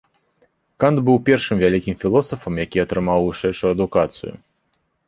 Кант быў першым вялікім філосафам які атрымаў вышэйшую адукацыю.